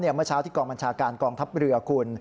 เมื่อเช้าที่กองบัญชาการกองทัพเรือคุณ